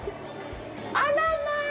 あらまあ！